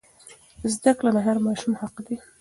زده کړه د هر ماشوم حق دی.